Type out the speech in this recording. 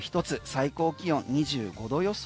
最高気温が２４度予想。